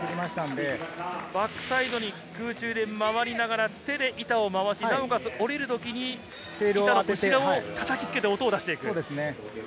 バックサイドに空中で回りながら手で板を回し、下りるときに、板の後ろを叩きつけて音を出していく。